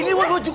ini uang lo juga